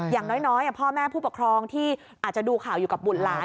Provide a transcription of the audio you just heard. อย่างน้อยพ่อแม่ผู้ปกครองที่อาจจะดูข่าวอยู่กับบุตรหลาน